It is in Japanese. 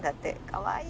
かわいい！